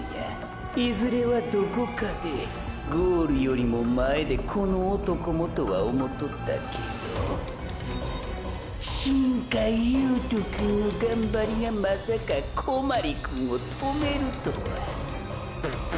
いずれはどこかでゴールよりも前でこの男もとは思うとったけどーー新開ユートゥくんのがんばりがまさか小鞠くんを止めるとはププ！！